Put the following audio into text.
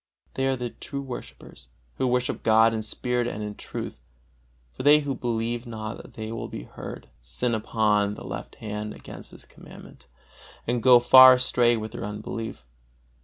They are the true worshipers, who worship God in spirit and in truth. For they who believe not that they will be heard, sin upon the left hand against this Commandment, and go far astray with their unbelief.